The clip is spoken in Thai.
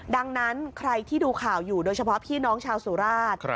ดังนั้นใครที่ดูข่าวอยู่โดยเฉพาะพี่น้องชาวสุราช